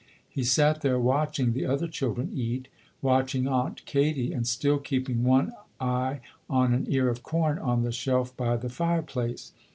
He sat there watching the other chil dren eat, watching Aunt Katie and still keeping one eye on an ear of corn on the shelf by the fire place.